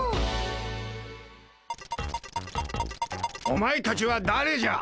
お前たちはだれじゃ？